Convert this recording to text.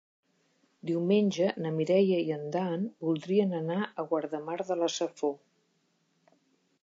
Diumenge na Mireia i en Dan voldrien anar a Guardamar de la Safor.